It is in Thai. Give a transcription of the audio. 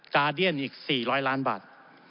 เดียนอีก๔๐๐ล้านบาท